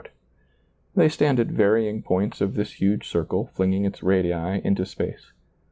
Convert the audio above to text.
They stand at varying points of this huge circle flinging its radii into space.